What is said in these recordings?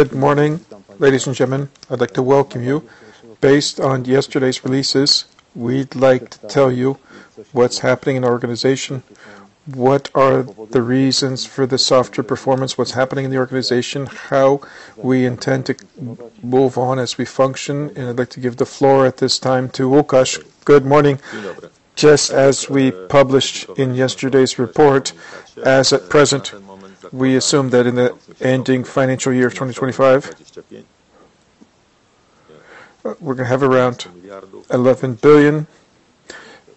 Good morning, ladies and gentlemen. I'd like to welcome you. Based on yesterday's releases, we'd like to tell you what's happening in our organization, what are the reasons for the softer performance, what's happening in the organization, how we intend to move on as we function. I'd like to give the floor at this time to Łukasz. Good morning. As we published in yesterday's report, as at present, we assume that in the ending financial year of 2025, we're going to have around 11 billion.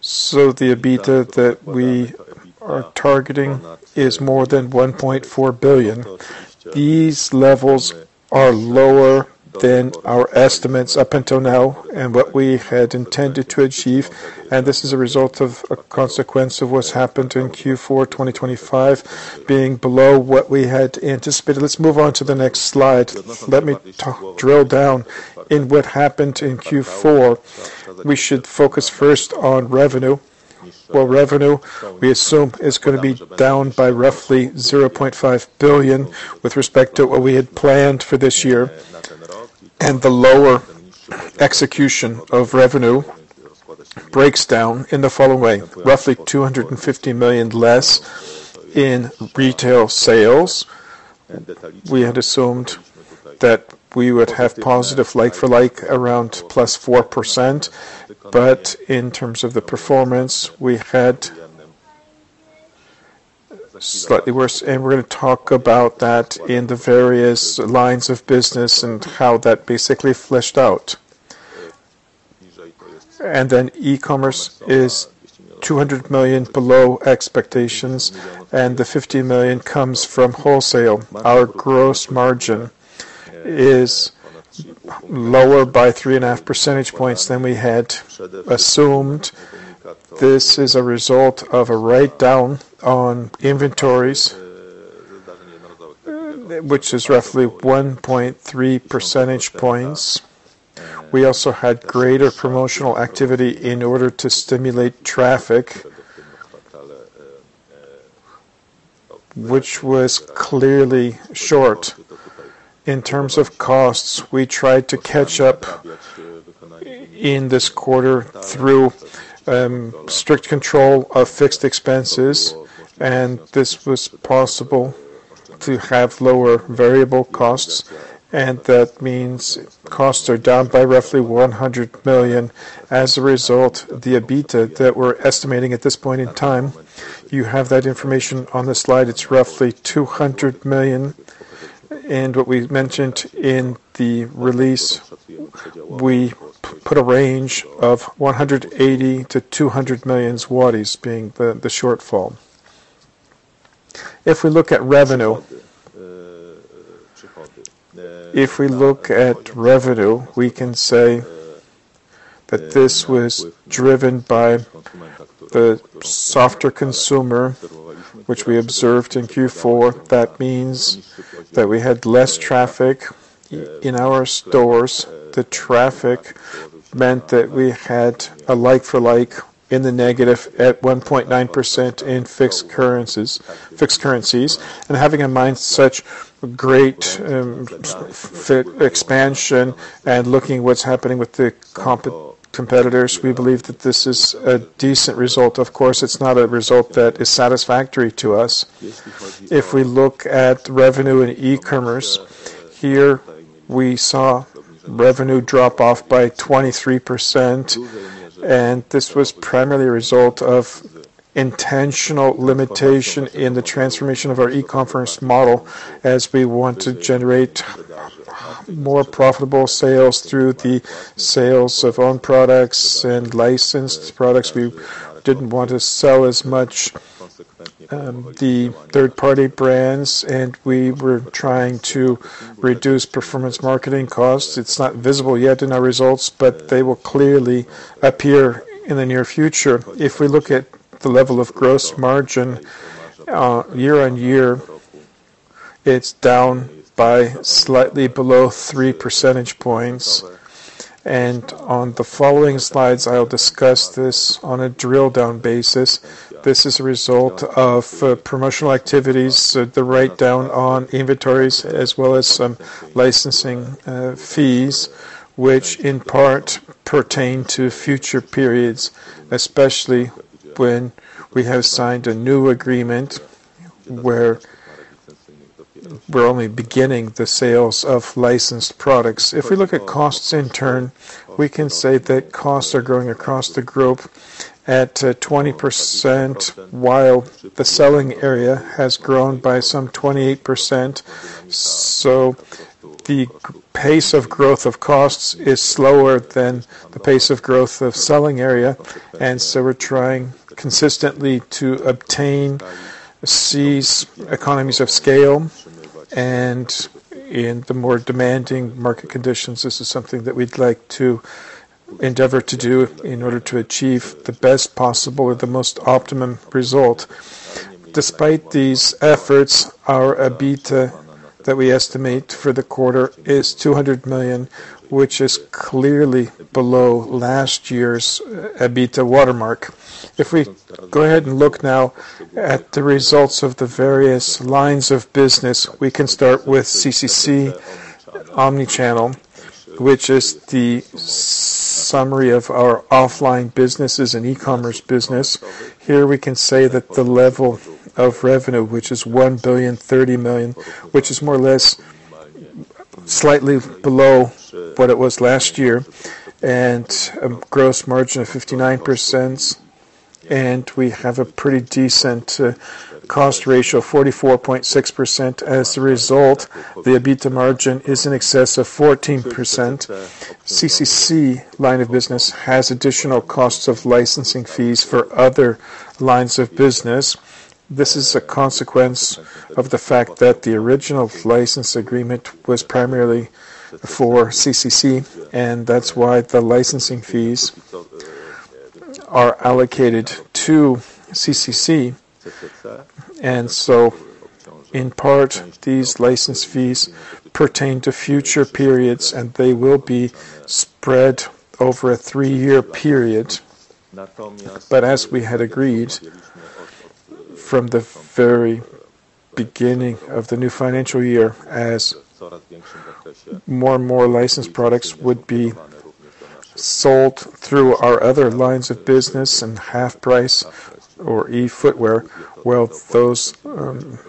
The EBITDA that we are targeting is more than 1.4 billion. These levels are lower than our estimates up until now and what we had intended to achieve. This is a result of a consequence of what's happened in Q4 2025 being below what we had anticipated. Let's move on to the next slide. Let me drill down into what happened in Q4. We should focus first on revenue, where revenue, we assume, is going to be down by roughly 0.5 billion with respect to what we had planned for this year. The lower execution of revenue breaks down in the following way, roughly 250 million less in retail sales. We had assumed that we would have positive like-for-like around +4%. In terms of the performance, we had slightly worse. We're going to talk about that in the various lines of business and how that basically fleshed out. E-commerce is 200 million below expectations, and the 50 million comes from wholesale. Our gross margin is lower by 3.5 percentage points than we had assumed. This is a result of a write-down on inventories, which is roughly 1.3 percentage points. We also had greater promotional activity in order to stimulate traffic, which was clearly short. In terms of costs, we tried to catch up in this quarter through strict control of fixed expenses. This was possible to have lower variable costs. That means costs are down by roughly 100 million. As a result, the EBITDA that we're estimating at this point in time, you have that information on the slide, it's roughly 200 million. What we mentioned in the release, we put a range of 180 million-200 million zlotys being the shortfall. If we look at revenue, we can say that this was driven by the softer consumer, which we observed in Q4. That means that we had less traffic in our stores. The traffic meant that we had a like-for-like in the negative at -1.9% in fixed currencies. Having in mind such great expansion and looking what's happening with the competitors, we believe that this is a decent result. Of course, it's not a result that is satisfactory to us. If we look at revenue in e-commerce, here we saw revenue drop off by 23%. This was primarily a result of intentional limitation in the transformation of our e-commerce model as we want to generate more profitable sales through the sales of own products and licensed products. We didn't want to sell as much the third-party brands. We were trying to reduce performance marketing costs. It's not visible yet in our results. They will clearly appear in the near future. If we look at the level of gross margin year-over-year, it's down by slightly below 3 percentage points. On the following slides, I'll discuss this on a drill down basis. This is a result of promotional activities, the write-down on inventories, as well as some licensing fees, which in part pertain to future periods, especially when we have signed a new agreement where we're only beginning the sales of licensed products. If we look at costs in turn, we can say that costs are growing across the group at 20%, while the selling area has grown by some 28%. We're trying consistently to obtain, seize economies of scale, and in the more demanding market conditions, this is something that we'd like to endeavor to do in order to achieve the best possible or the most optimum result. Despite these efforts, our EBITDA that we estimate for the quarter is 200 million, which is clearly below last year's EBITDA watermark. If we go ahead and look now at the results of the various lines of business, we can start with CCC omnichannel, which is the summary of our offline businesses and e-commerce business. Here we can say that the level of revenue, which is 1,030 million, which is more or less slightly below what it was last year, and a gross margin of 59%, and we have a pretty decent cost ratio of 44.6%. As a result, the EBITDA margin is in excess of 14%. CCC line of business has additional costs of licensing fees for other lines of business. This is a consequence of the fact that the original license agreement was primarily for CCC, and that's why the licensing fees are allocated to CCC. In part, these license fees pertain to future periods, and they will be spread over a three-year period. As we had agreed from the very beginning of the new financial year, as more and more licensed products would be sold through our other lines of business and HalfPrice or eobuwie, well, those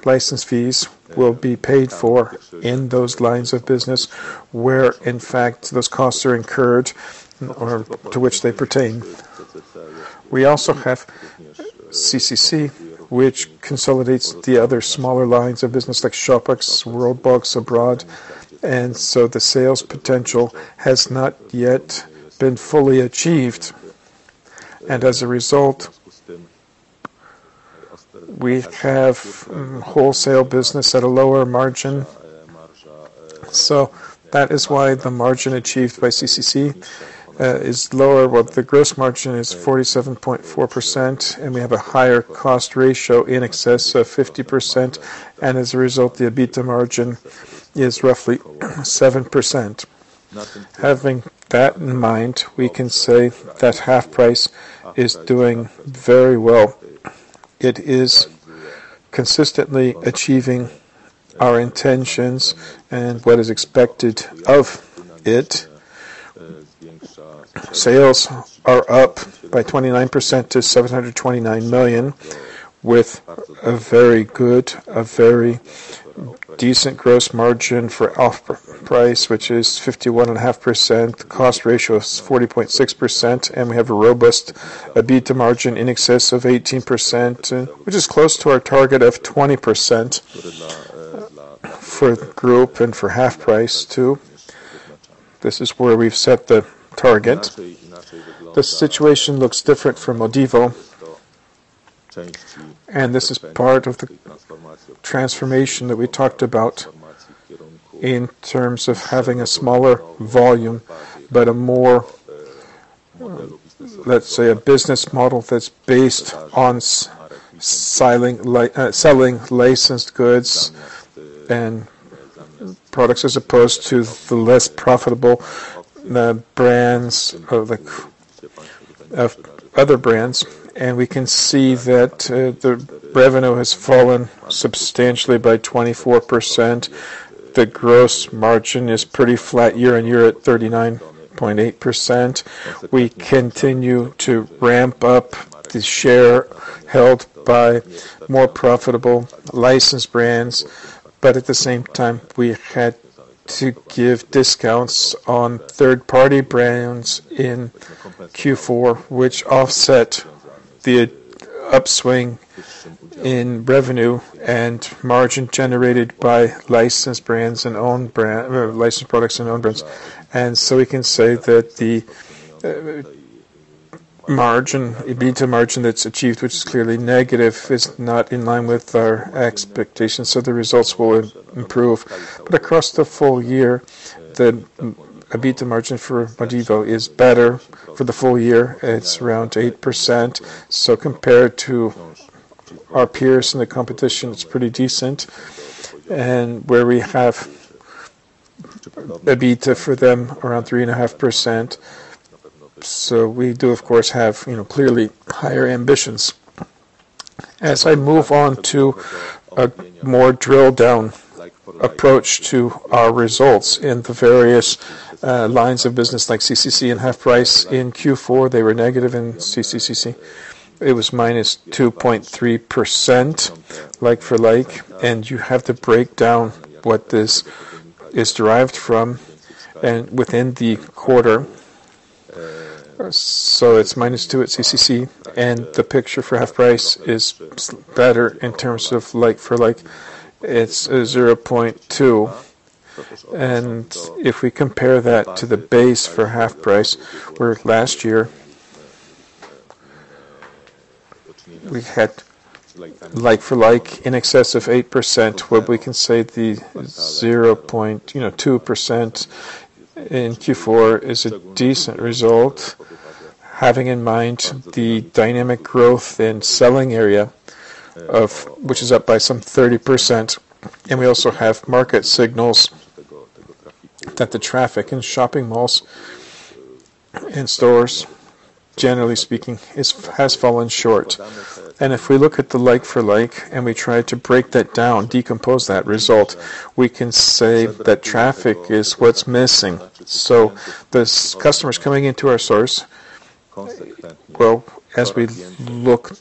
license fees will be paid for in those lines of business, where in fact those costs are incurred or to which they pertain. We also have CCC, which consolidates the other smaller lines of business like Shoebox, Robox Abroad, and the sales potential has not yet been fully achieved. As a result, we have wholesale business at a lower margin. That is why the margin achieved by CCC is lower. Well, the gross margin is 47.4%, and we have a higher cost ratio in excess of 50%. As a result, the EBITDA margin is roughly 7%. Having that in mind, we can say that HalfPrice is doing very well. It is consistently achieving our intentions and what is expected of it. Sales are up by 29% to 729 million, with a very good, a very decent gross margin for HalfPrice, which is 51.5%. Cost ratio is 40.6%, and we have a robust EBITDA margin in excess of 18%, which is close to our target of 20% for the group and for HalfPrice too. This is where we've set the target. The situation looks different for Modivo, and this is part of the transformation that we talked about in terms of having a smaller volume, but a more, let's say, a business model that's based on selling licensed goods and products as opposed to the less profitable brands or the other brands. We can see that the revenue has fallen substantially by 24%. The gross margin is pretty flat year-on-year at 39.8%. We continue to ramp up the share held by more profitable licensed brands, but at the same time, we had to give discounts on third-party brands in Q4, which offset the upswing in revenue and margin generated by licensed products and own brands. We can say that the EBITDA margin that's achieved, which is clearly negative, is not in line with our expectations, so the results will improve. Across the full year, the EBITDA margin for Modivo is better. For the full year, it's around 8%. Compared to our peers in the competition, it's pretty decent. Where we have EBITDA for them around 3.5%. We do, of course, have clearly higher ambitions. As I move on to a more drill-down approach to our results in the various lines of business like CCC and HalfPrice in Q4, they were negative in CCC. It was -2.3% like-for-like, you have to break down what this is derived from and within the quarter. It's -2 at CCC, the picture for HalfPrice is better in terms of like-for-like, it's 0.2%. If we compare that to the base for HalfPrice, where last year we had like-for-like in excess of 8%, we can say the 0.2% in Q4 is a decent result. Having in mind the dynamic growth in selling area, which is up by some 30%. We also have market signals that the traffic in shopping malls, in stores, generally speaking, has fallen short. If we look at the like-for-like, and we try to break that down, decompose that result, we can say that traffic is what's missing. The customers coming into our stores, well, as we look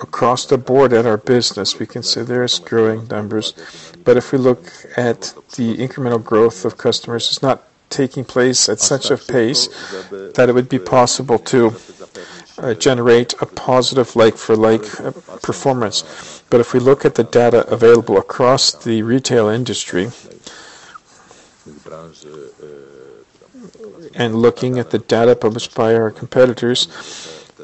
across the board at our business, we can say there's growing numbers. If we look at the incremental growth of customers, it's not taking place at such a pace that it would be possible to generate a positive like-for-like performance. If we look at the data available across the retail industry, and looking at the data published by our competitors,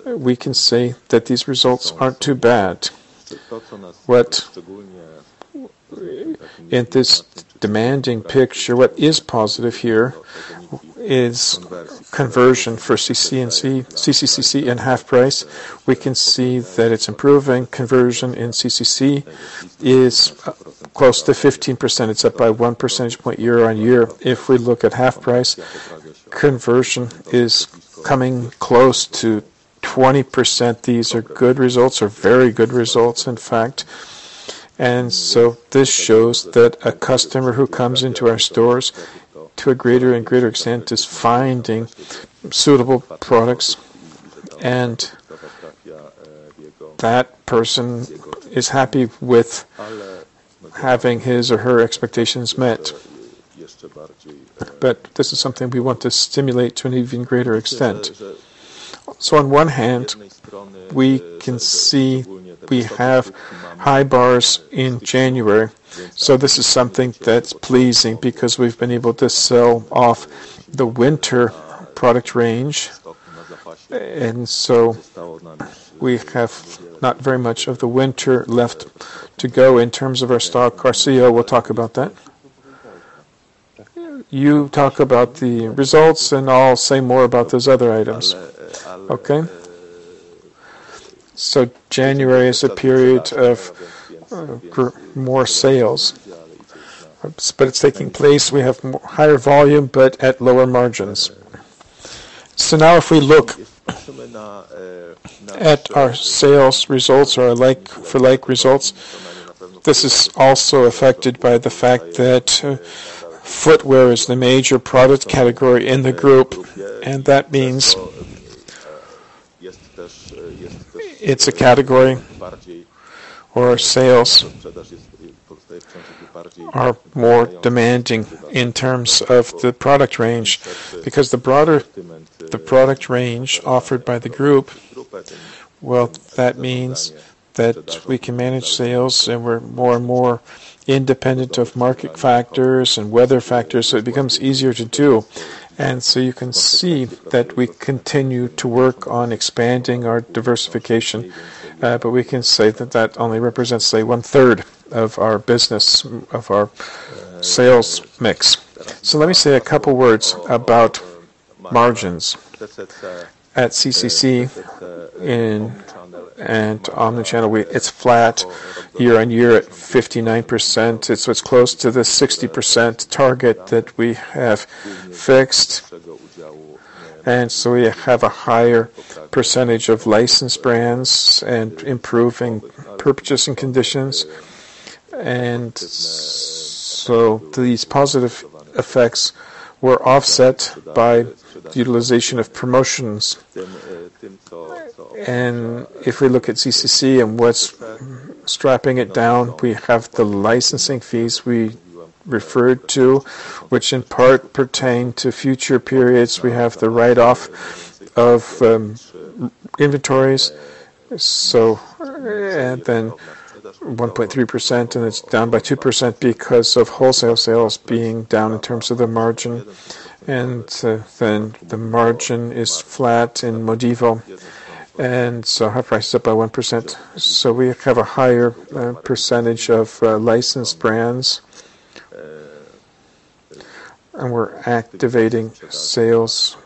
we can say that these results aren't too bad. What, in this demanding picture, what is positive here is conversion for CCC and HalfPrice. We can see that it's improving. Conversion in CCC is close to 15%. It's up by one percentage point year-on-year. If we look at HalfPrice, conversion is coming close to 20%. These are good results or very good results, in fact. This shows that a customer who comes into our stores to a greater and greater extent is finding suitable products, and that person is happy with having his or her expectations met. This is something we want to stimulate to an even greater extent. On one hand, we can see we have high bars in January. This is something that's pleasing because we've been able to sell off the winter product range. We have not very much of the winter left to go in terms of our stock. Carcio, we'll talk about that. You talk about the results, and I'll say more about those other items. Okay. January is a period of more sales. It's taking place, we have higher volume, but at lower margins. Now if we look at our sales results or our like-for-like results, this is also affected by the fact that footwear is the major product category in the group. That means it's a category where our sales are more demanding in terms of the product range. The broader the product range offered by the group, well, that means that we can manage sales and we're more and more independent of market factors and weather factors, so it becomes easier to do. You can see that we continue to work on expanding our diversification. We can say that that only represents, say, one-third of our business, of our sales mix. Let me say a couple words about margins. At CCC in omnichannel, it's flat year-on-year at 59%. It's close to the 60% target that we have fixed. We have a higher percentage of licensed brands and improving purchasing conditions. These positive effects were offset by the utilization of promotions. If we look at CCC and what's strapping it down, we have the licensing fees we referred to, which in part pertain to future periods. We have the write-off of inventories. 1.3%, and it's down by 2% because of wholesale sales being down in terms of the margin. The margin is flat in Modivo, HalfPrice is up by 1%. We have a higher percentage of licensed brands, and we're activating sales,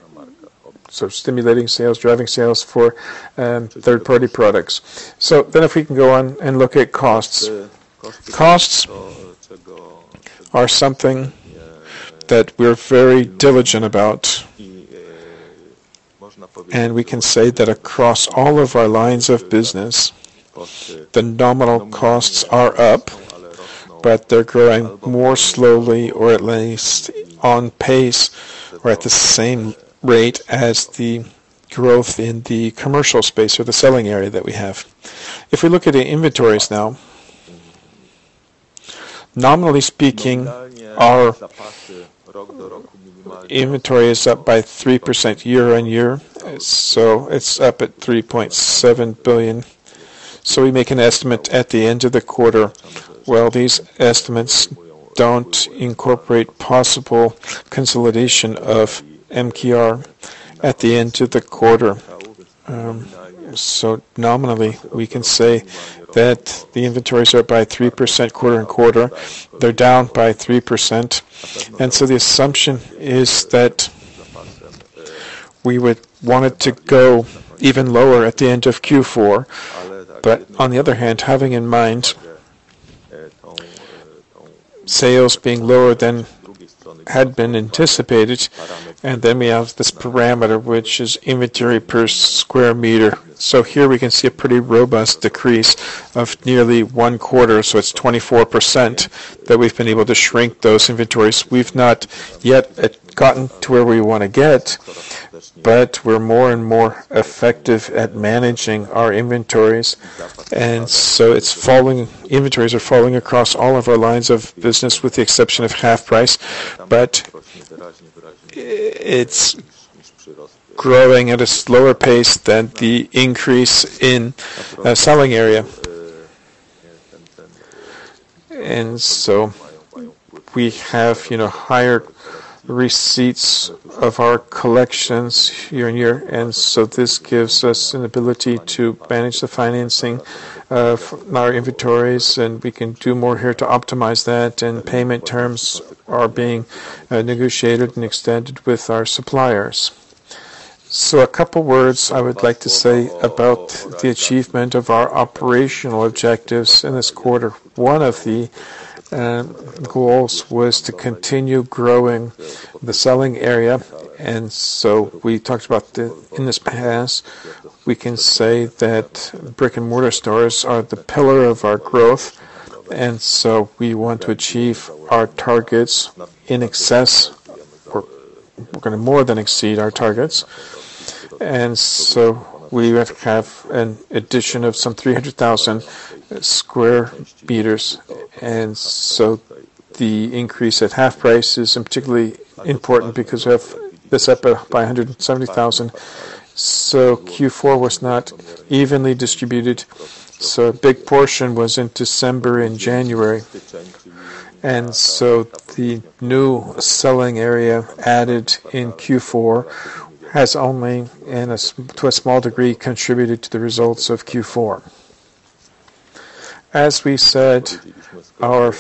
so stimulating sales, driving sales for third-party products. If we can go on and look at costs. Costs are something that we're very diligent about. We can say that across all of our lines of business, the nominal costs are up, but they're growing more slowly or at least on pace or at the same rate as the growth in the commercial space or the selling area that we have. If we look at the inventories now, nominally speaking, our inventory is up by 3% year-on-year, so it's up at 3.7 billion. We make an estimate at the end of the quarter. Well, these estimates don't incorporate possible consolidation of MKR at the end of the quarter. Nominally, we can say that the inventories are up by 3% quarter-on-quarter. They're down by 3%. The assumption is that we would want it to go even lower at the end of Q4. On the other hand, having in mind sales being lower than had been anticipated, we have this parameter, which is inventory per square meter. Here we can see a pretty robust decrease of nearly one-quarter. It's 24% that we've been able to shrink those inventories. We've not yet gotten to where we want to get, but we're more and more effective at managing our inventories. Inventories are falling across all of our lines of business, with the exception of HalfPrice. It's growing at a slower pace than the increase in selling area. We have higher receipts of our collections year-on-year, this gives us an ability to manage the financing of our inventories, and we can do more here to optimize that, payment terms are being negotiated and extended with our suppliers. A couple words I would like to say about the achievement of our operational objectives in this quarter. One of the goals was to continue growing the selling area. We talked about in this past, we can say that brick-and-mortar stores are the pillar of our growth. We want to achieve our targets in excess, or we're going to more than exceed our targets. We have an addition of some 300,000 sq m. The increase at HalfPrice is particularly important because we have this up by 170,000 sq m. Q4 was not evenly distributed. A big portion was in December and January. The new selling area added in Q4 has only, to a small degree, contributed to the results of Q4. As we said, our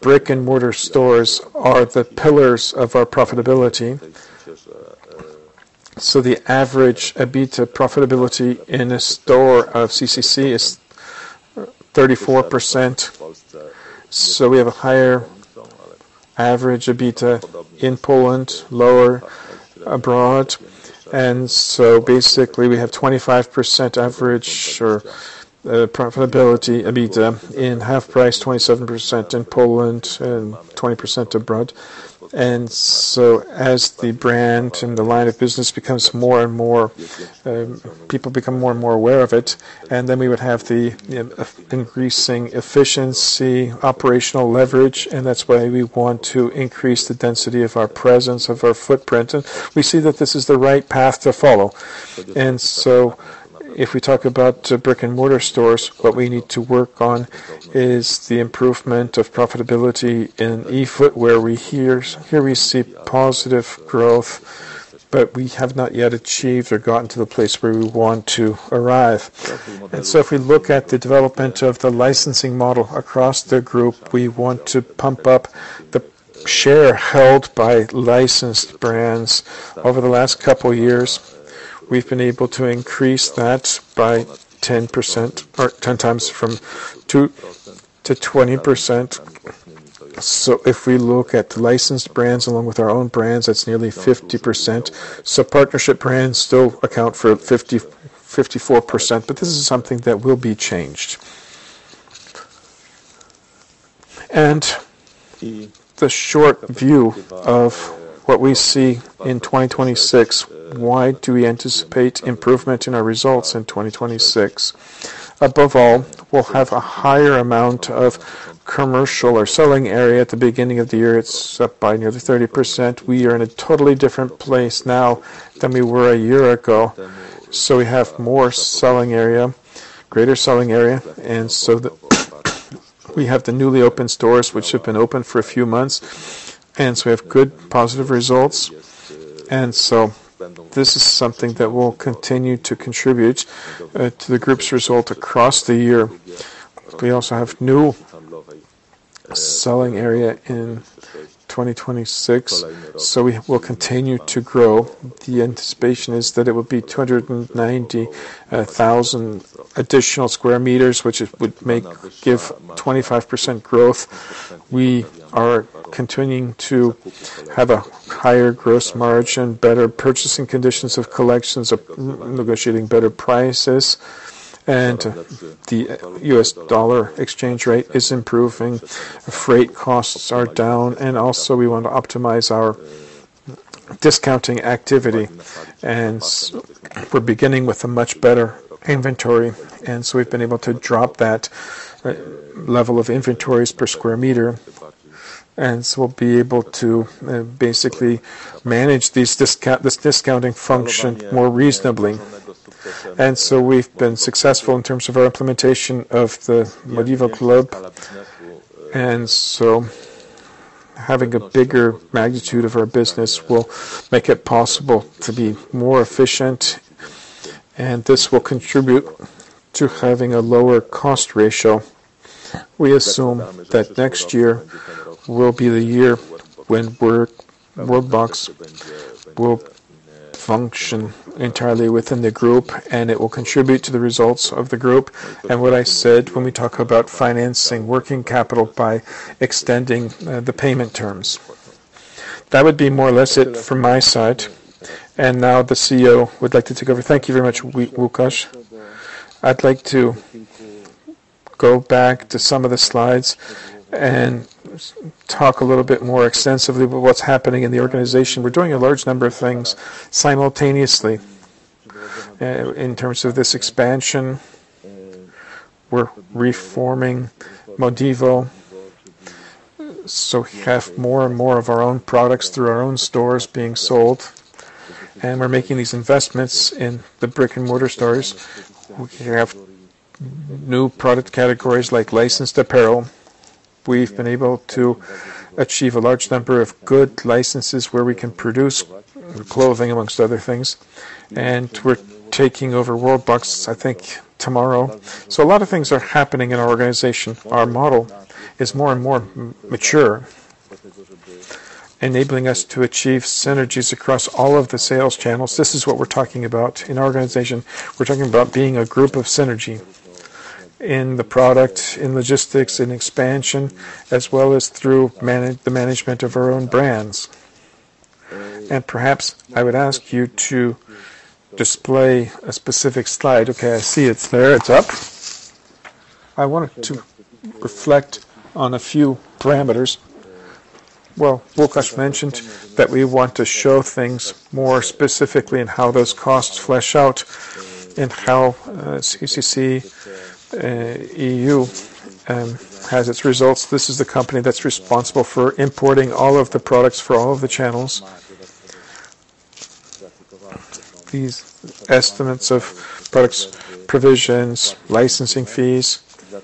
brick-and-mortar stores are the pillars of our profitability. The average EBITDA profitability in a store of CCC is 34%. We have a higher average EBITDA in Poland, lower abroad. Basically we have 25% average profitability, EBITDA in HalfPrice, 27% in Poland, and 20% abroad. As the brand and the line of business people become more and more aware of it, then we would have the increasing efficiency, operational leverage, and that's why we want to increase the density of our presence, of our footprint. We see that this is the right path to follow. If we talk about brick-and-mortar stores, what we need to work on is the improvement of profitability in eobuwie, where here we see positive growth, but we have not yet achieved or gotten to the place where we want to arrive. If we look at the development of the licensing model across the group, we want to pump up the share held by licensed brands. Over the last couple years, we've been able to increase that by 10% or 10x from 2% to 20%. If we look at licensed brands along with our own brands, that's nearly 50%. Partnership brands still account for 54%, but this is something that will be changed. The short view of what we see in 2026, why do we anticipate improvement in our results in 2026? Above all, we'll have a higher amount of commercial or selling area at the beginning of the year. It's up by nearly 30%. We are in a totally different place now than we were a year ago. We have more selling area, greater selling area. We have the newly opened stores which have been open for a few months. We have good positive results. This is something that will continue to contribute to the group's result across the year. We also have new selling area in 2026. We will continue to grow. The anticipation is that it will be 290,000 additional sq m, which it would give 25% growth. We are continuing to have a higher gross margin, better purchasing conditions of collections, negotiating better prices. The US dollar exchange rate is improving, freight costs are down. Also we want to optimize our discounting activity. We're beginning with a much better inventory. We've been able to drop that level of inventories per square meter. We'll be able to basically manage this discounting function more reasonably. We've been successful in terms of our implementation of the MODIVOclub. Having a bigger magnitude of our business will make it possible to be more efficient. This will contribute to having a lower cost ratio. We assume that next year will be the year when Worldbox will function entirely within the group, and it will contribute to the results of the group and what I said when we talk about financing working capital by extending the payment terms. That would be more or less it from my side. Now the CEO would like to take over. Thank you very much, Łukasz. I'd like to go back to some of the slides and talk a little bit more extensively about what's happening in the organization. We're doing a large number of things simultaneously in terms of this expansion. We're reforming Modivo, so we have more and more of our own products through our own stores being sold, and we're making these investments in the brick-and-mortar stores. We have new product categories like licensed apparel. We've been able to achieve a large number of good licenses where we can produce clothing, amongst other things. We're taking over Worldbox, I think tomorrow. A lot of things are happening in our organization. Our model is more and more mature, enabling us to achieve synergies across all of the sales channels. This is what we're talking about in our organization. We're talking about being a group of synergy in the product, in logistics and expansion, as well as through the management of our own brands. Perhaps I would ask you to display a specific slide. Okay, I see it's there. It's up. I wanted to reflect on a few parameters. Well, Łukasz mentioned that we want to show things more specifically and how those costs flesh out and how CCC EU has its results. This is the company that's responsible for importing all of the products for all of the channels. These estimates of products, provisions, licensing fees,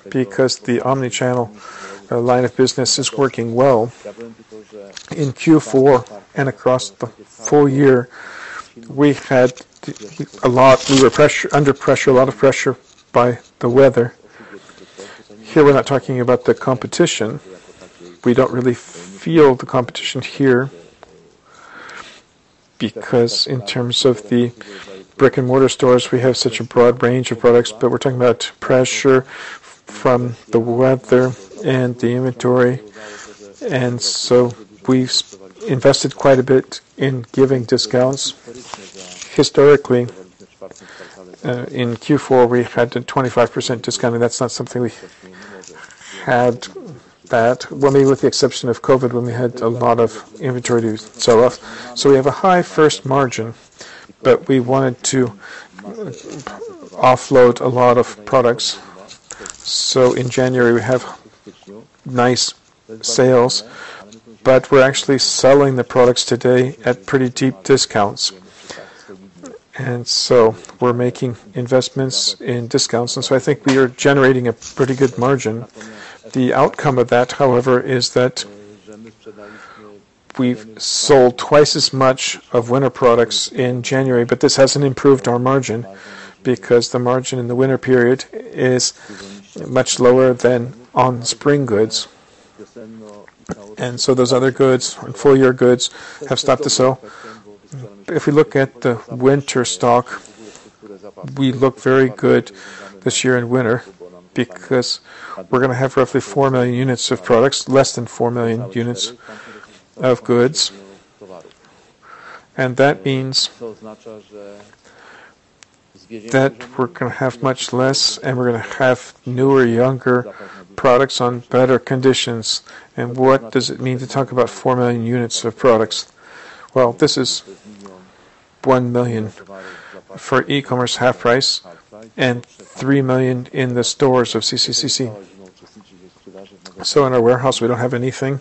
because the omnichannel line of business is working well. In Q4 and across the full year, we were under pressure, a lot of pressure by the weather. Here, we're not talking about the competition. We don't really feel the competition here because in terms of the brick-and-mortar stores, we have such a broad range of products. We're talking about pressure from the weather and the inventory. We invested quite a bit in giving discounts. Historically, in Q4, we've had a 25% discount, and that's not something we had that, well, maybe with the exception of COVID, when we had a lot of inventory to sell off. We have a high first margin, but we wanted to offload a lot of products. In January, we have nice sales, but we're actually selling the products today at pretty deep discounts. We're making investments in discounts, I think we are generating a pretty good margin. The outcome of that, however, is that we've sold twice as much of winter products in January, but this hasn't improved our margin because the margin in the winter period is much lower than on spring goods. Those other goods or full-year goods have stopped to sell. If we look at the winter stock, we look very good this year in winter because we're going to have roughly 4 million units of products, less than 4 million units of goods. That means that we're going to have much less, and we're going to have newer, younger products on better conditions. What does it mean to talk about 4 million units of products? Well, this is 1 million for e-commerce HalfPrice and 3 million in the stores of CCC. In our warehouse, we don't have anything.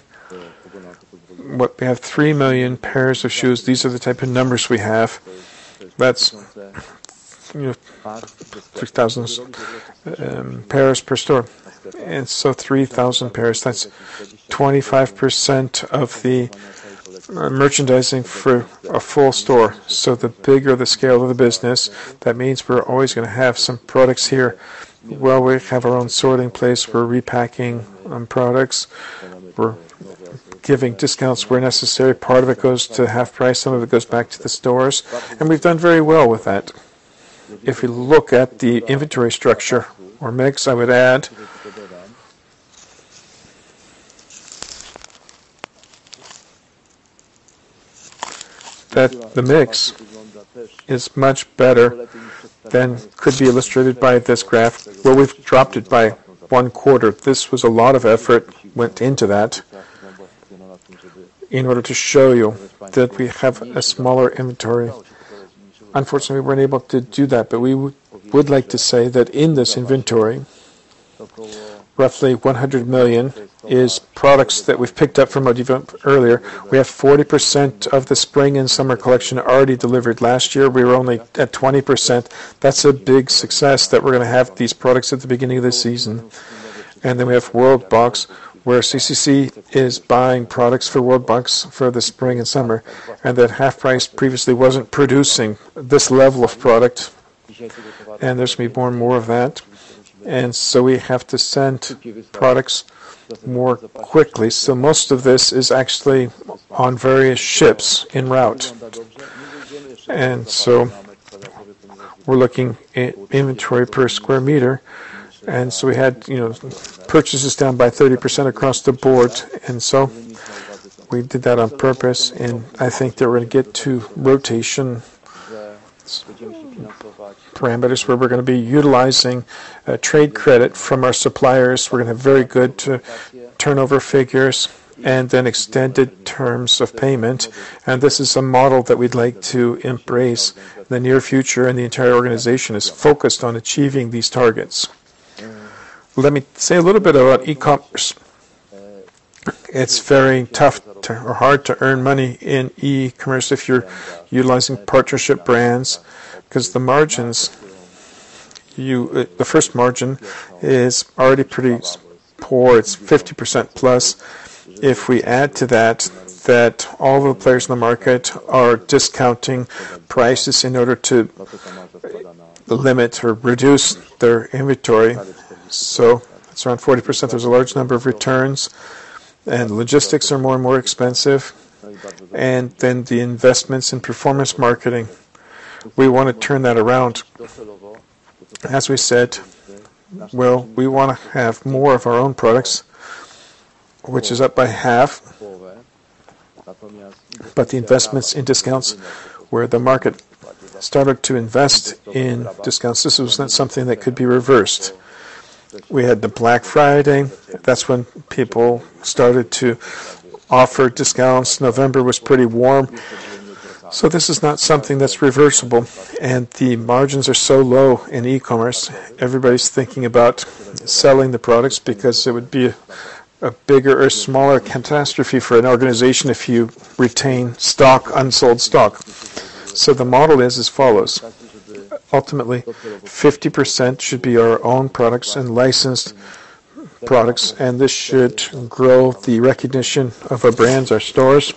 We have 3 million pairs of shoes. These are the type of numbers we have. That's 3,000 pairs per store. 3,000 pairs, that's 25% of the merchandising for a full store. The bigger the scale of the business, that means we're always going to have some products here. Well, we have our own sorting place. We're repacking products. We're giving discounts where necessary. Part of it goes to HalfPrice, some of it goes back to the stores, and we've done very well with that. If you look at the inventory structure or mix, I would add that the mix is much better than could be illustrated by this graph, where we've dropped it by one quarter. This was a lot of effort went into that in order to show you that we have a smaller inventory. Unfortunately, we weren't able to do that, but we would like to say that in this inventory, roughly 100 million is products that we've picked up from earlier. We have 40% of the spring and summer collection already delivered last year. We were only at 20%. That's a big success that we're going to have these products at the beginning of the season. We have Worldbox, where CCC is buying products for WorldBox for the spring and summer, and that HalfPrice previously wasn't producing this level of product. There's going to be more and more of that. We have to send products more quickly. Most of this is actually on various ships en route. We're looking at inventory per square meter. We had purchases down by 30% across the board, and so we did that on purpose, and I think that we're going to get to rotation parameters, where we're going to be utilizing trade credit from our suppliers. We're going to have very good turnover figures and then extended terms of payment. This is a model that we'd like to embrace in the near future, and the entire organization is focused on achieving these targets. Let me say a little bit about e-commerce. It's very tough or hard to earn money in e-commerce if you're utilizing partnership brands because the first margin is already pretty poor. It's 50% plus. If we add to that all the players in the market are discounting prices in order to limit or reduce their inventory. It's around 40%. There's a large number of returns, and logistics are more and more expensive. The investments in performance marketing, we want to turn that around. As we said, well, we want to have more of our own products, which is up by half. The investments in discounts, where the market started to invest in discounts, this was not something that could be reversed. We had the Black Friday. That's when people started to offer discounts. November was pretty warm. This is not something that's reversible. The margins are so low in e-commerce, everybody's thinking about selling the products because it would be a bigger or smaller catastrophe for an organization if you retain unsold stock. The model is as follows. Ultimately, 50% should be our own products and licensed products, and this should grow the recognition of our brands, our stores.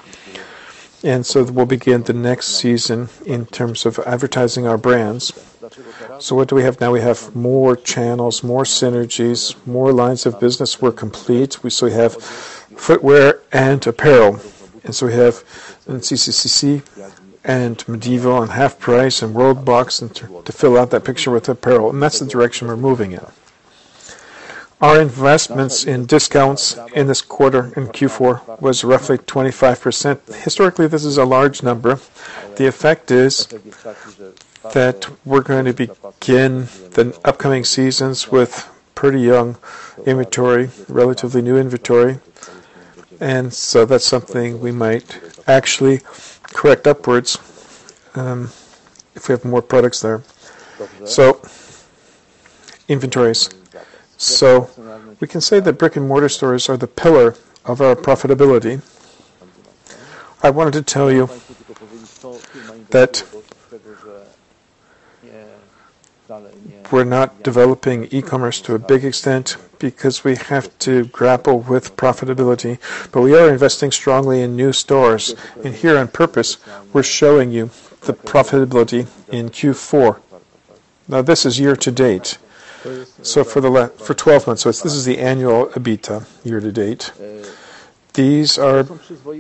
We'll begin the next season in terms of advertising our brands. What do we have now? We have more channels, more synergies, more lines of business. We're complete. We still have footwear and apparel. We have CCC and Modivo and HalfPrice and Worldbox to fill out that picture with apparel. That's the direction we're moving in. Our investments in discounts in this quarter, in Q4, was roughly 25%. The effect is that we're going to begin the upcoming seasons with pretty young inventory, relatively new inventory. That's something we might actually correct upwards, if we have more products there. Inventories. We can say that brick-and-mortar stores are the pillar of our profitability. I wanted to tell you that we're not developing e-commerce to a big extent because we have to grapple with profitability, but we are investing strongly in new stores. Here on purpose, we're showing you the profitability in Q4. This is year-to-date. For 12 months. This is the annual EBITDA year-to-date. These are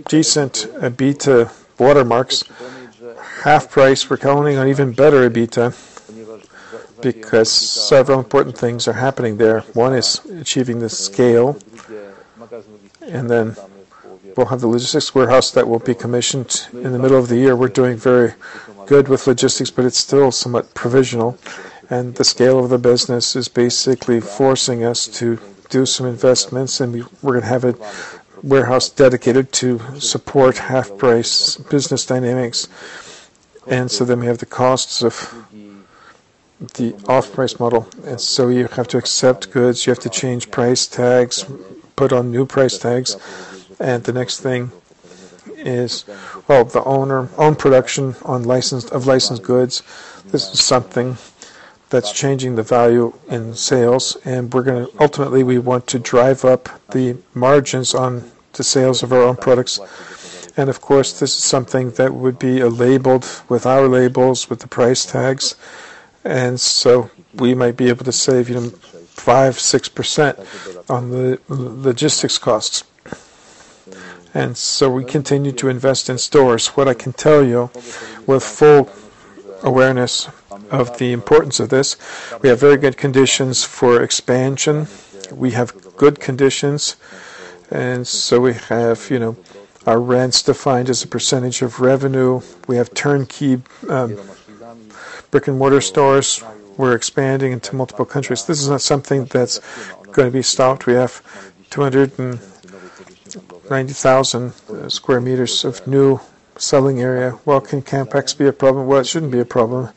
decent EBITDA watermarks. HalfPrice, we're counting on even better EBITDA because several important things are happening there. One is achieving the scale. We'll have the logistics warehouse that will be commissioned in the middle of the year. We're doing very good with logistics, but it's still somewhat provisional. The scale of the business is basically forcing us to do some investments. We're going to have a warehouse dedicated to support HalfPrice business dynamics. We have the costs of the off-price model. You have to accept goods, you have to change price tags, put on new price tags. The next thing is, well, the own production of licensed goods. This is something that's changing the value in sales, and ultimately, we want to drive up the margins on the sales of our own products. Of course, this is something that would be labeled with our labels, with the price tags. We might be able to save 5%-6% on the logistics costs. We continue to invest in stores. What I can tell you with full awareness of the importance of this, we have very good conditions for expansion. We have good conditions. We have our rents defined as a percentage of revenue. We have turnkey brick-and-mortar stores. We're expanding into multiple countries. This is not something that's going to be stopped. We have 290,000 square meters of new selling area. Can CapEx be a problem? It shouldn't be a problem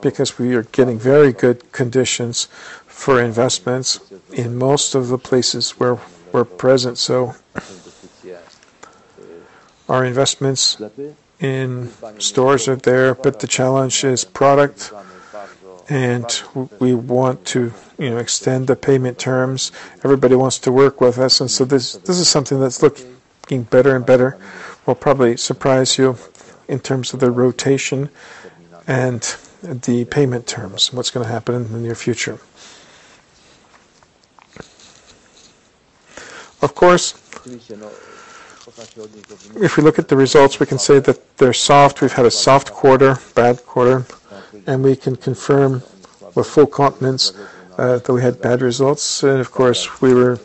because we are getting very good conditions for investments in most of the places where we're present. Our investments in stores are there, but the challenge is product. We want to extend the payment terms. Everybody wants to work with us. This is something that's looking better and better. Will probably surprise you in terms of the rotation and the payment terms, what's going to happen in the near future. Of course, if we look at the results, we can say that they're soft. We've had a soft quarter, bad quarter, and we can confirm with full confidence that we had bad results. Of course, we were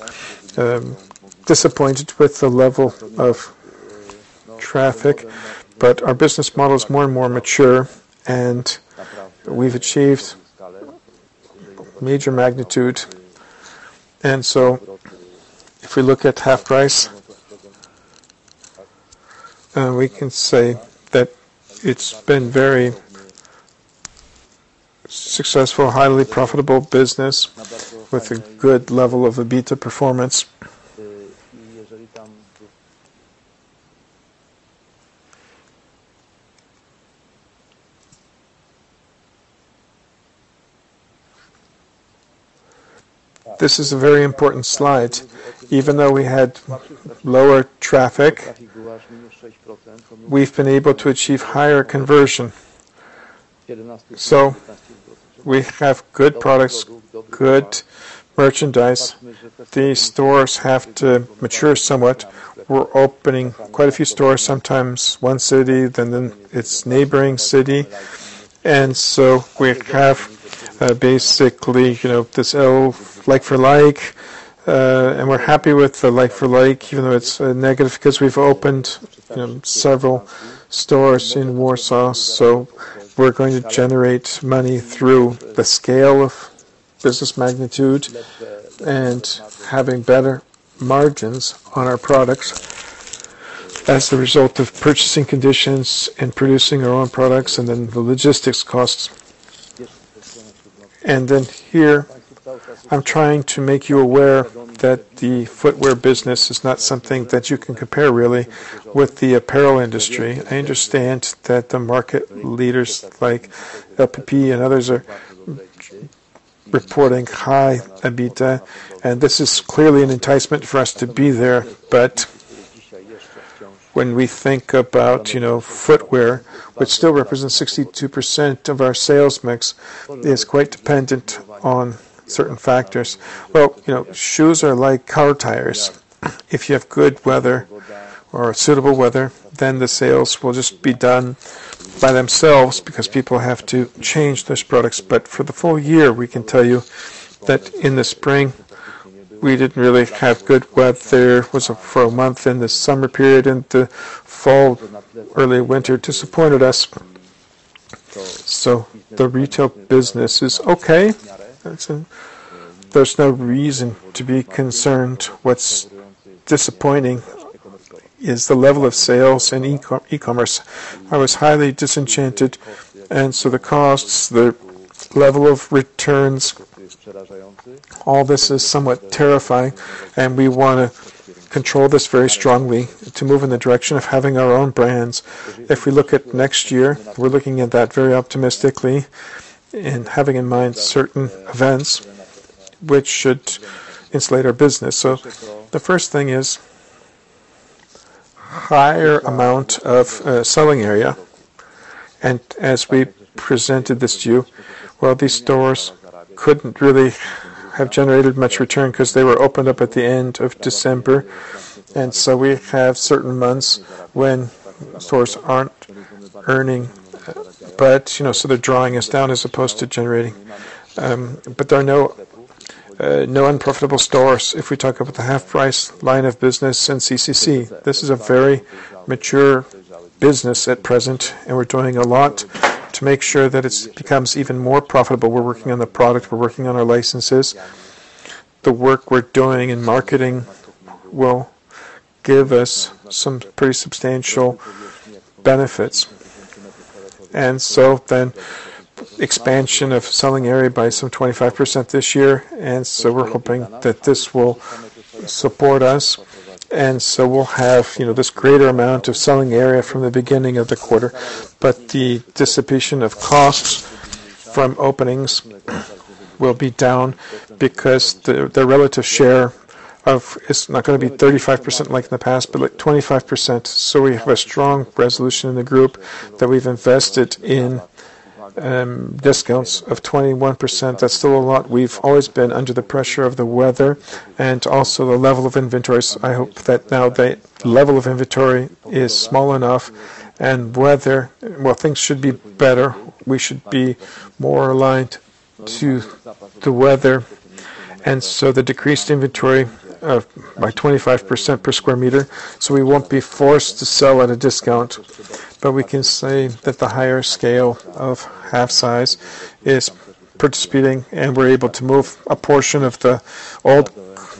disappointed with the level of traffic. Our business model is more and more mature, and we've achieved major magnitude. If we look at HalfPrice, we can say that it's been very successful, highly profitable business with a good level of EBITDA performance. This is a very important slide. Even though we had lower traffic, we've been able to achieve higher conversion. We have good products, good merchandise. These stores have to mature somewhat. We're opening quite a few stores, sometimes one city, then its neighboring city. We have basically this like-for-like, and we're happy with the like-for-like, even though it's negative because we've opened several stores in Warsaw. We're going to generate money through the scale of business magnitude and having better margins on our products as the result of purchasing conditions and producing our own products. Then the logistics costs. Here I'm trying to make you aware that the footwear business is not something that you can compare really with the apparel industry. I understand that the market leaders like LPP and others are reporting high EBITDA, and this is clearly an enticement for us to be there. When we think about footwear, which still represents 62% of our sales mix, is quite dependent on certain factors. Shoes are like car tires. If you have good weather or suitable weather, the sales will just be done by themselves because people have to change those products. For the full year, we can tell you that in the spring we didn't really have good weather for a month in the summer period, and the fall, early winter disappointed us. The retail business is okay. There's no reason to be concerned. What's disappointing is the level of sales in e-commerce. I was highly disenchanted. The costs, the level of returns, all this is somewhat terrifying, and we want to control this very strongly to move in the direction of having our own brands. We look at next year, we're looking at that very optimistically and having in mind certain events which should insulate our business. The first thing is higher amount of selling area. As we presented this to you, these stores couldn't really have generated much return because they were opened up at the end of December, and we have certain months when stores aren't earning, so they're drawing us down as opposed to generating. There are no unprofitable stores. If we talk about the HalfPrice line of business and CCC, this is a very mature business at present, and we're doing a lot to make sure that it becomes even more profitable. We're working on the product. We're working on our licenses. The work we're doing in marketing will give us some pretty substantial benefits. Then expansion of selling area by some 25% this year. We're hoping that this will support us. We'll have this greater amount of selling area from the beginning of the quarter. The dissipation of costs from openings will be down because the relative share is not going to be 35% like in the past, but like 25%. We have a strong resolution in the group that we've invested in discounts of 21%. That's still a lot. We've always been under the pressure of the weather and also the level of inventories. I hope that now the level of inventory is small enough and weather, well, things should be better. We should be more aligned to the weather. The decreased inventory by 25% per square meter, so we won't be forced to sell at a discount. We can say that the higher scale of HalfPrice is participating, and we're able to move a portion of the old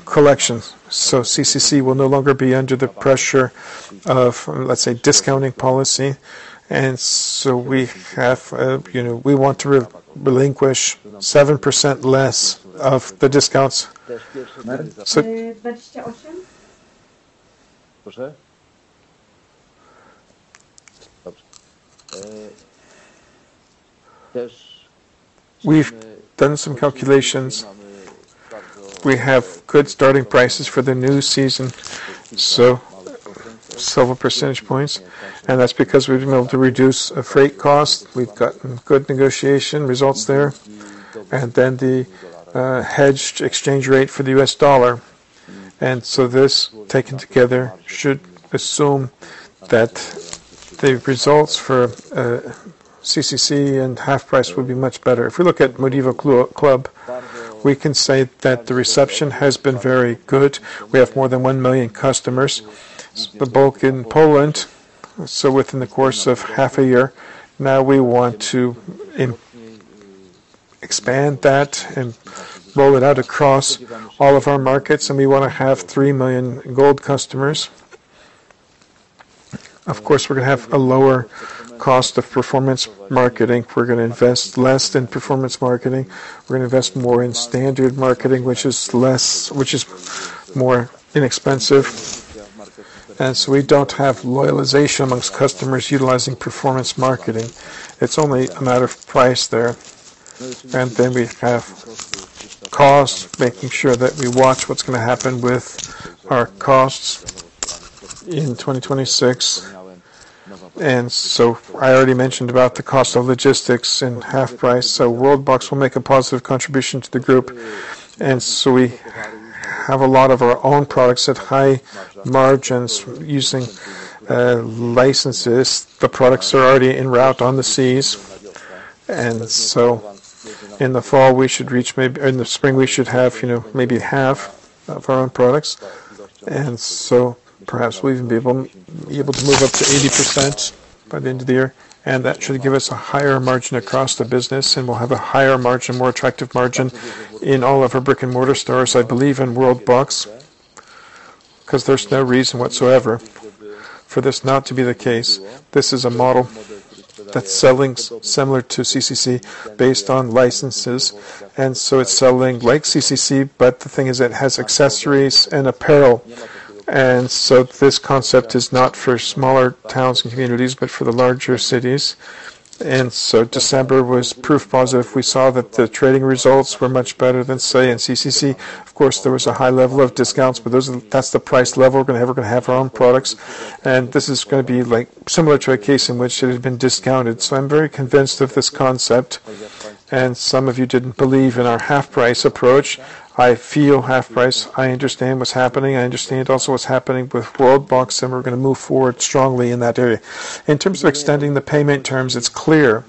collection. CCC will no longer be under the pressure of, let's say, discounting policy. We want to relinquish 7% less of the discounts. We've done some calculations. We have good starting prices for the new season, so several percentage points, and that's because we've been able to reduce freight costs. We've gotten good negotiation results there. The hedged exchange rate for the US dollar. This, taken together, should assume that the results for CCC and HalfPrice will be much better. If we look at MODIVOclub, we can say that the reception has been very good. We have more than 1 million customers, the bulk in Poland. Within the course of half a year, now we want to expand that and roll it out across all of our markets, and we want to have 3 million gold customers. Of course, we're going to have a lower cost of performance marketing. We're going to invest less in performance marketing. We're going to invest more in standard marketing, which is more inexpensive. We don't have loyalization amongst customers utilizing performance marketing. It's only a matter of price there. We have costs, making sure that we watch what's going to happen with our costs in 2026. I already mentioned about the cost of logistics and HalfPrice. Worldbox will make a positive contribution to the group. We have a lot of our own products at high margins using licenses. The products are already en route on the seas, and in the spring, we should have maybe half of our own products. Perhaps we'll even be able to move up to 80% by the end of the year, and that should give us a higher margin across the business, and we'll have a higher margin, more attractive margin in all of our brick-and-mortar stores, I believe, in Worldbox, because there's no reason whatsoever for this not to be the case. This is a model that's selling similar to CCC based on licenses. It's selling like CCC, but the thing is it has accessories and apparel. This concept is not for smaller towns and communities, but for the larger cities. December was proof positive. We saw that the trading results were much better than, say, in CCC. Of course, there was a high level of discounts, but that's the price level we're going to have. We're going to have our own products. This is going to be similar to a case in which it had been discounted. I'm very convinced of this concept. Some of you didn't believe in our HalfPrice approach. I feel HalfPrice. I understand what's happening. I understand also what's happening with Worldbox, and we're going to move forward strongly in that area. In terms of extending the payment terms, it's clear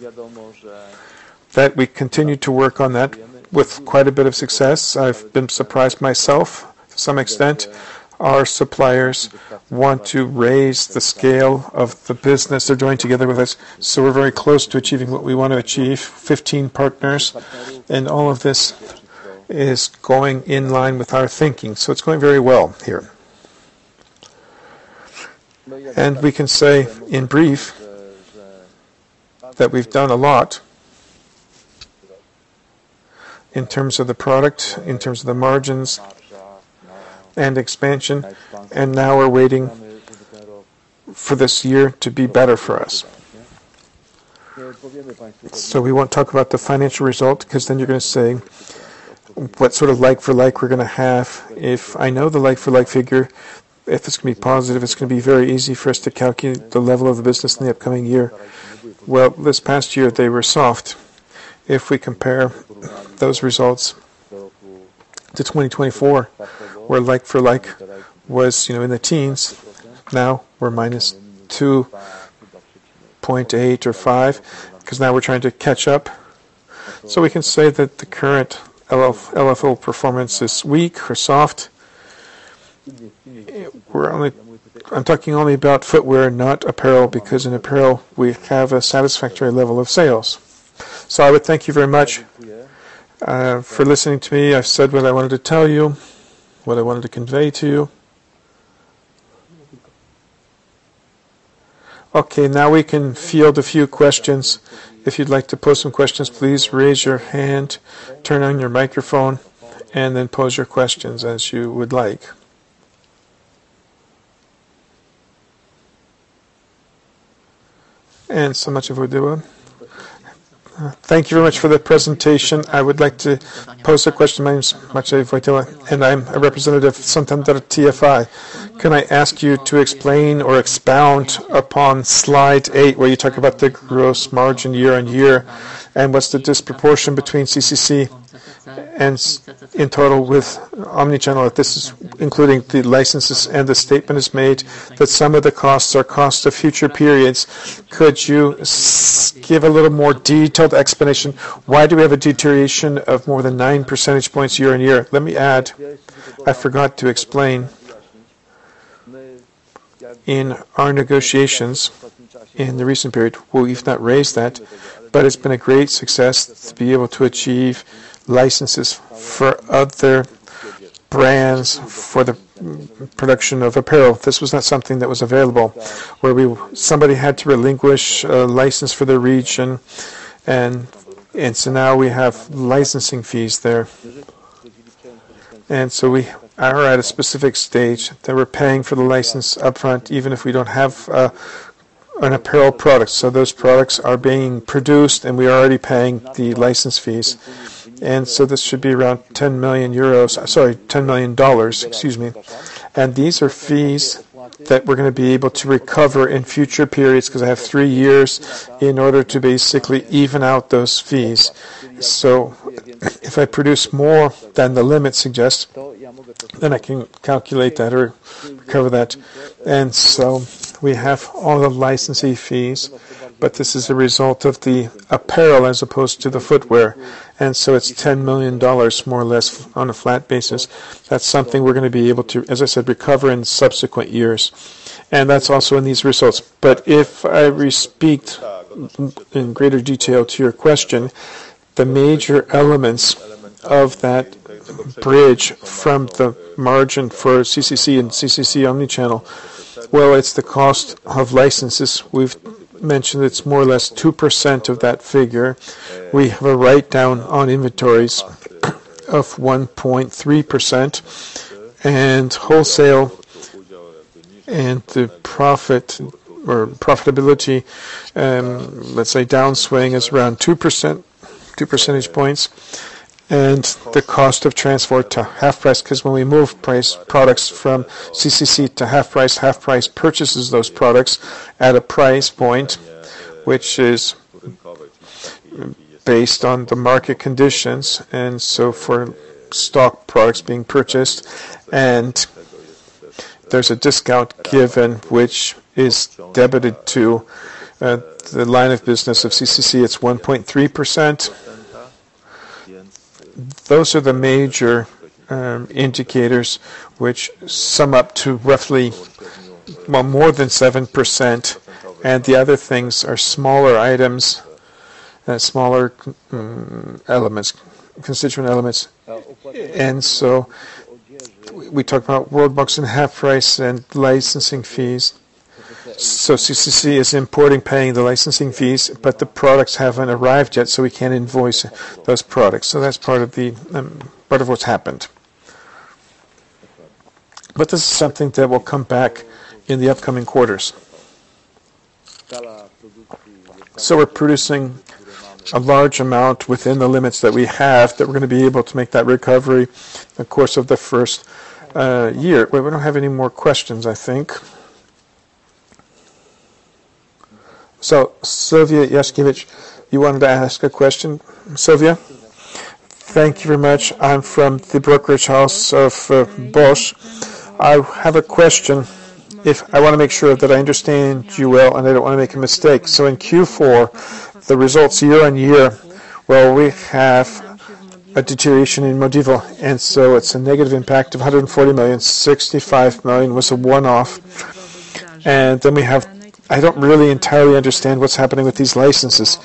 that we continue to work on that with quite a bit of success. I've been surprised myself to some extent. Our suppliers want to raise the scale of the business they're doing together with us, so we're very close to achieving what we want to achieve, 15 partners. All of this is going in line with our thinking. It's going very well here. We can say in brief that we've done a lot in terms of the product, in terms of the margins and expansion, and now we're waiting for this year to be better for us. We want to talk about the financial result because then you're going to say what sort of like-for-like we're going to have. If I know the like-for-like figure, if it's going to be positive, it's going to be very easy for us to calculate the level of the business in the upcoming year. Well, this past year, they were soft. If we compare those results to 2024, where like-for-like was in the teens, now we're minus 2.8 or five because now we're trying to catch up. We can say that the current LFL performance is weak or soft. I'm talking only about footwear, not apparel, because in apparel we have a satisfactory level of sales. I would thank you very much for listening to me. I've said what I wanted to tell you, what I wanted to convey to you. Now we can field a few questions. If you'd like to pose some questions, please raise your hand, turn on your microphone, and then pose your questions as you would like. Maciej Wojtyła. Thank you very much for the presentation. I would like to pose a question. My name is Maciej Wojtyła, and I'm a representative, sometimes at TFI. Can I ask you to explain or expound upon slide eight, where you talk about the gross margin year-on-year? What's the disproportion between CCC and in total with omnichannel? This is including the licenses. The statement is made that some of the costs are cost of future periods. Could you give a little more detailed explanation? Why do we have a deterioration of more than nine percentage points year-on-year? Let me add, I forgot to explain. In our negotiations in the recent period, we've not raised that, but it's been a great success to be able to achieve licenses for other brands for the production of apparel. This was not something that was available, where somebody had to relinquish a license for the region. Now we have licensing fees there. We are at a specific stage that we're paying for the license upfront, even if we don't have an apparel product. Those products are being produced, and we are already paying the license fees. This should be around 10 million euros, sorry, $10 million, excuse me. These are fees that we're going to be able to recover in future periods because I have three years in order to basically even out those fees. If I produce more than the limit suggests, then I can calculate that or recover that. We have all the licensee fees, but this is a result of the apparel as opposed to the footwear. It's $10 million, more or less, on a flat basis. That's something we're going to be able to, as I said, recover in subsequent years. That's also in these results. If I speak in greater detail to your question, the major elements of that bridge from the margin for CCC and CCC Omnichannel, well, it's the cost of licenses. We've mentioned it's more or less 2% of that figure. We have a write-down on inventories of 1.3%, wholesale and the profit or profitability, let's say, downswing is around 2 percentage points. The cost of transport to HalfPrice, because when we move price products from CCC to HalfPrice purchases those products at a price point which is based on the market conditions. For stock products being purchased, there's a discount given which is debited to the line of business of CCC, it's 1.3%. Those are the major indicators which sum up to roughly more than 7%. The other things are smaller items and smaller constituent elements. We talk about Worldbox and HalfPrice and licensing fees. CCC is importing, paying the licensing fees, but the products haven't arrived yet, we can't invoice those products. That's part of what's happened. This is something that will come back in the upcoming quarters. We're producing a large amount within the limits that we have that we're going to be able to make that recovery in the course of the first year. We don't have any more questions, I think. Sylwia Jaśkiewicz, you wanted to ask a question? Sylwia? Thank you very much. I'm from the brokerage house of BOŚ. I have a question. I want to make sure that I understand you well, I don't want to make a mistake. In Q4, the results year-on-year, well, we have a deterioration in Modivo, it's a negative impact of 140 million, 65 million was a one-off. Then we have I don't really entirely understand what's happening with these licenses.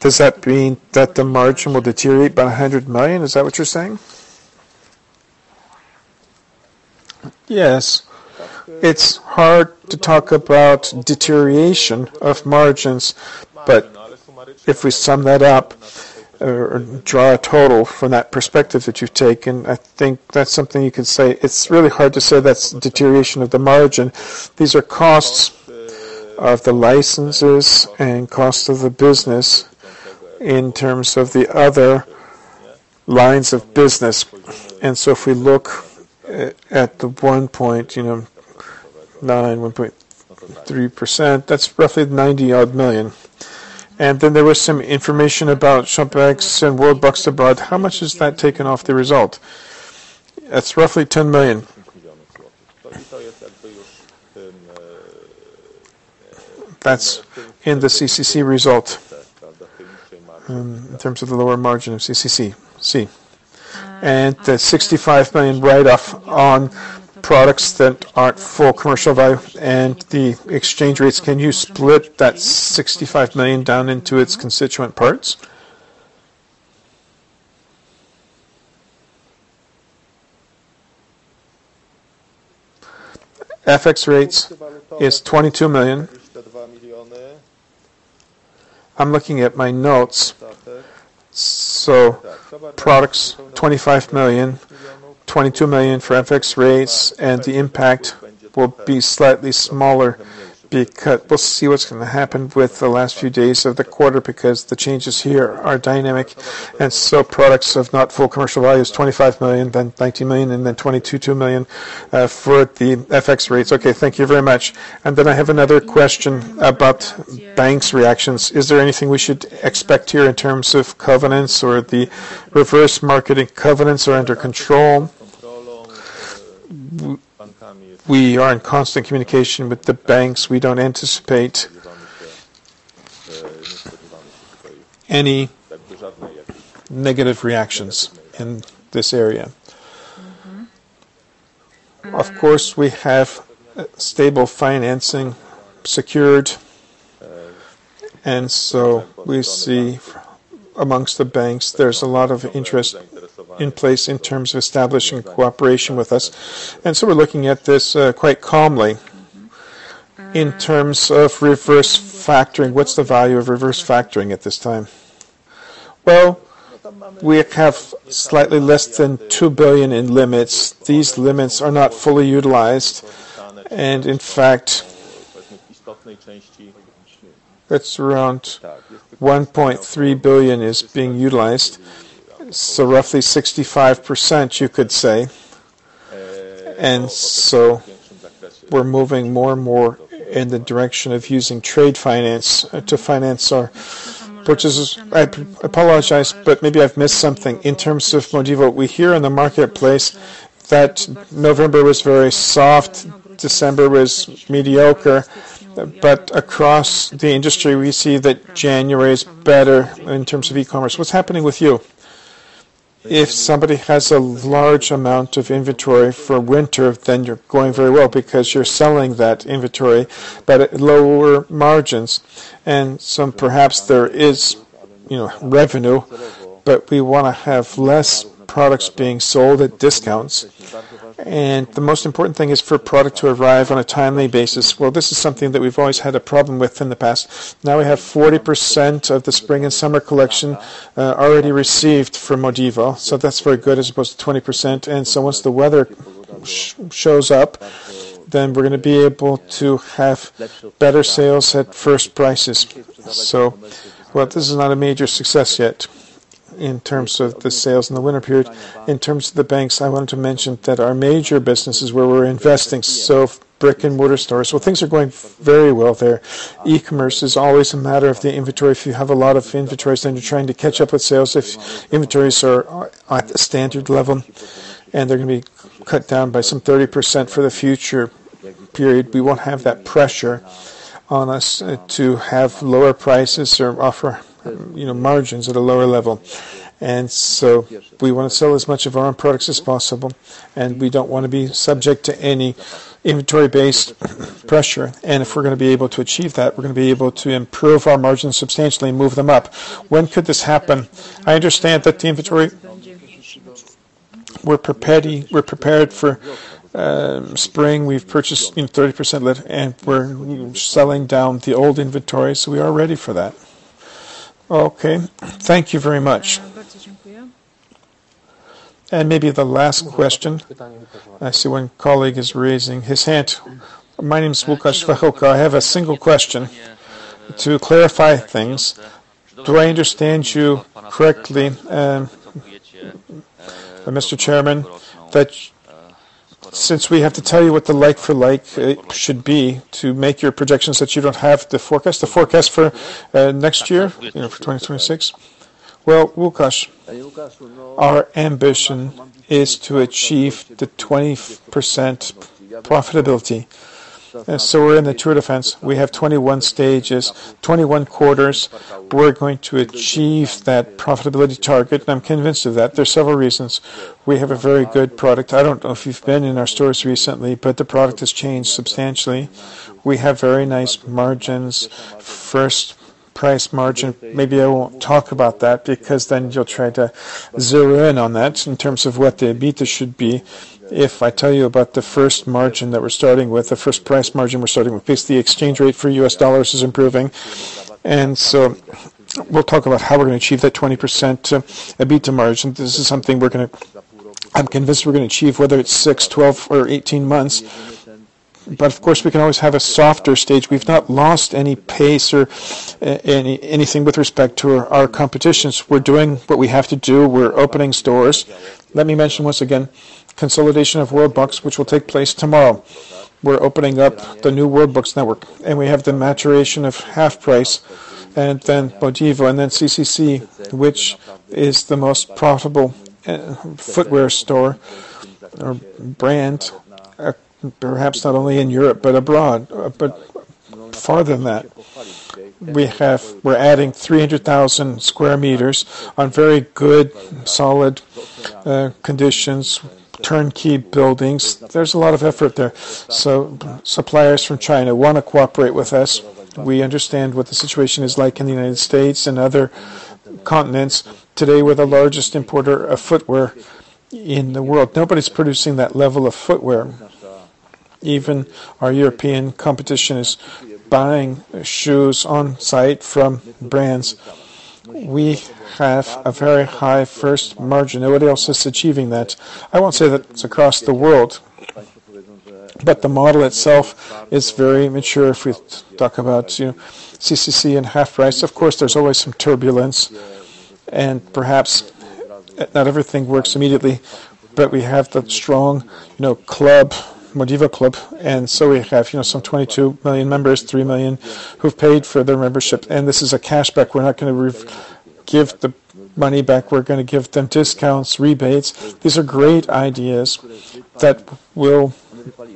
Does that mean that the margin will deteriorate by 100 million? Is that what you're saying? Yes. It's hard to talk about deterioration of margins, if we sum that up or draw a total from that perspective that you've taken, I think that's something you could say. It's really hard to say that's deterioration of the margin. These are costs of the licenses and cost of the business in terms of the other lines of business. If we look at the 1.9, 1.3%, that's roughly the 90 odd million. Then there was some information about Shoebox and Worldbox abroad. How much has that taken off the result? That's roughly 10 million. That's in the CCC result in terms of the lower margin of CCC. The 65 million write-off on products that aren't full commercial value and the exchange rates, can you split that 65 million down into its constituent parts? FX rates is 22 million. I'm looking at my notes. Products, 25 million, 22 million for FX rates. The impact will be slightly smaller because we'll see what's going to happen with the last few days of the quarter because the changes here are dynamic. Products of not full commercial value is 25 million, then 19 million, and then 22 million for the FX rates. Okay. Thank you very much. I have another question about banks' reactions. Is there anything we should expect here in terms of covenants or the reverse factoring covenants are under control? We are in constant communication with the banks. We don't anticipate any negative reactions in this area. Of course, we have stable financing secured. We see amongst the banks, there's a lot of interest in place in terms of establishing cooperation with us. We're looking at this quite calmly. In terms of reverse factoring, what's the value of reverse factoring at this time? We have slightly less than 2 billion in limits. These limits are not fully utilized. In fact, 1.3 billion is being utilized, roughly 65%, you could say. We're moving more and more in the direction of using trade finance to finance our purchases. I apologize. Maybe I've missed something. In terms of Modivo, we hear in the marketplace that November was very soft, December was mediocre. Across the industry, we see that January is better in terms of e-commerce. What's happening with you? If somebody has a large amount of inventory for winter, you're going very well because you're selling that inventory at lower margins. Perhaps there is revenue. We want to have less products being sold at discounts. The most important thing is for product to arrive on a timely basis. This is something that we've always had a problem with in the past. Now we have 40% of the spring and summer collection already received from Modivo. That's very good, as opposed to 20%. Once the weather shows up, we're going to be able to have better sales at first prices. This is not a major success yet in terms of the sales in the winter period. In terms of the banks, I want to mention that our major business is where we're investing, so brick-and-mortar stores. Things are going very well there. E-commerce is always a matter of the inventory. If you have a lot of inventory, you're trying to catch up with sales. If inventories are at a standard level, they're going to be cut down by some 30% for the future period. We won't have that pressure on us to have lower prices or offer margins at a lower level. We want to sell as much of our own products as possible. We don't want to be subject to any inventory-based pressure. If we're going to be able to achieve that, we're going to be able to improve our margins substantially and move them up. When could this happen? I understand that the inventory, we're prepared for spring. We've purchased 30%. We're selling down the old inventory. We are ready for that. Okay. Thank you very much. Maybe the last question. I see one colleague is raising his hand. My name is Łukasz Fąka. I have a single question to clarify things. Do I understand you correctly, Mr. Chairman, that since we have to tell you what the like-for-like should be to make your projections, that you don't have the forecast for next year, for 2026? Well, Łukasz, our ambition is to achieve the 20% profitability. We're in the Tour de France. We have 21 stages, 21 quarters. We're going to achieve that profitability target. I'm convinced of that. There are several reasons. We have a very good product. I don't know if you've been in our stores recently, but the product has changed substantially. We have very nice margins, first price margin. Maybe I won't talk about that because then you'll try to zero in on that in terms of what the EBITDA should be. If I tell you about the first margin that we're starting with, the first price margin we're starting with, because the exchange rate for US dollars is improving, we'll talk about how we're going to achieve that 20% EBITDA margin. This is something I'm convinced we're going to achieve, whether it's six, 12, or 18 months. Of course, we can always have a softer stage. We've not lost any pace or anything with respect to our competitions. We're doing what we have to do. We're opening stores. Let me mention once again, consolidation of Worldbox, which will take place tomorrow. We're opening up the new Worldbox network, we have the maturation of HalfPrice, Modivo, CCC, which is the most profitable footwear store or brand, perhaps not only in Europe, but abroad. Farther than that, we're adding 300,000 sq m on very good, solid conditions, turnkey buildings. There's a lot of effort there. Suppliers from China want to cooperate with us. We understand what the situation is like in the U.S. and other continents. Today, we're the largest importer of footwear in the world. Nobody's producing that level of footwear. Even our European competition is buying shoes on-site from brands. We have a very high first margin. Nobody else is achieving that. I won't say that it's across the world, but the model itself is very mature, if we talk about CCC and HalfPrice. Of course, there's always some turbulence, and perhaps not everything works immediately, but we have the strong MODIVOclub, we have some 22 million members, 3 million who've paid for their membership. This is a cashback. We're not going to give the money back. We're going to give them discounts, rebates. These are great ideas that will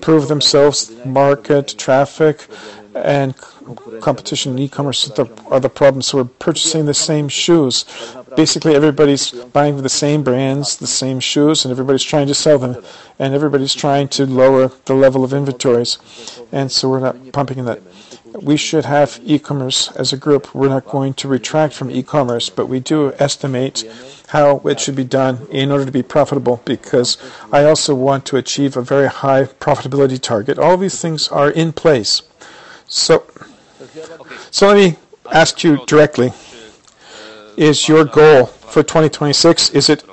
prove themselves, market, traffic, and competition in e-commerce are the problems. We're purchasing the same shoes. Basically, everybody's buying the same brands, the same shoes, and everybody's trying to sell them, and everybody's trying to lower the level of inventories. We're not pumping that. We should have e-commerce as a group. We're not going to retract from e-commerce, but we do estimate how it should be done in order to be profitable, because I also want to achieve a very high profitability target. All these things are in place. Let me ask you directly Is your goal for 2026, is it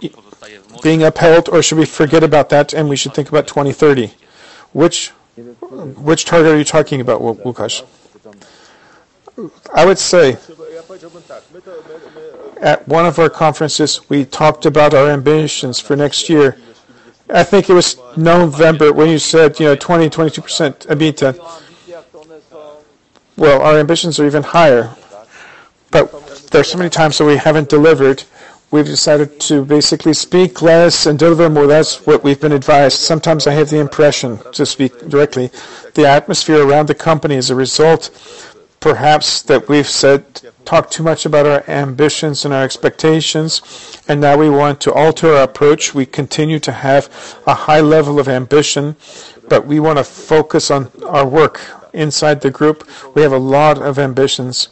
being upheld or should we forget about that and we should think about 2030? Which target are you talking about, Łukasz? I would say, at one of our conferences, we talked about our ambitions for next year. I think it was November when you said 20%-22% EBITDA. Well, our ambitions are even higher, but there are so many times that we haven't delivered. We've decided to basically speak less and deliver more. That's what we've been advised. Sometimes I have the impression, to speak directly, the atmosphere around the company is a result, perhaps, that we've talked too much about our ambitions and our expectations. Now we want to alter our approach. We continue to have a high level of ambition. We want to focus on our work inside the group. We have a lot of ambitions.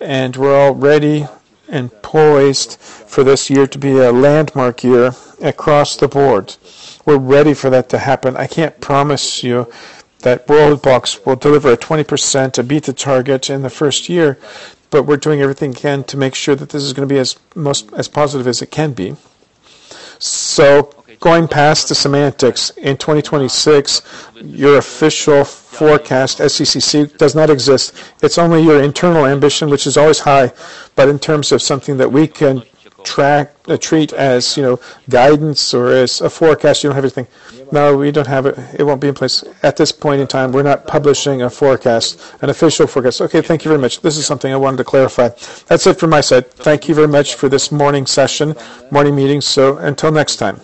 We're all ready and poised for this year to be a landmark year across the board. We're ready for that to happen. I can't promise you that Worldbox will deliver a 20% EBITDA target in the first year. We're doing everything we can to make sure that this is going to be as positive as it can be. Going past the semantics, in 2026, your official forecast as CCC does not exist. It's only your internal ambition, which is always high. In terms of something that we can treat as guidance or as a forecast, you don't have anything. No, we don't have it. It won't be in place. At this point in time, we're not publishing a forecast, an official forecast. Okay, thank you very much. This is something I wanted to clarify. That's it from my side. Thank you very much for this morning session, morning meeting. Until next time.